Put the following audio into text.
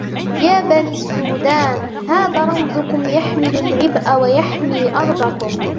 يا بني السودان هذا رمزكم يحمل العبء ويحمي أرضكم.